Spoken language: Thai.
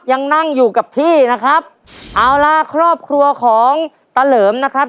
ยังนั่งอยู่กับที่นะครับเอาล่ะครอบครัวของตะเหลิมนะครับ